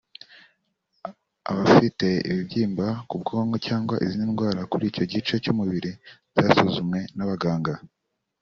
Abafite ibibyimba ku bwonko cyangwa izindi ndwara kuri icyo gice cy’umubiri zasuzumwe n’abaganga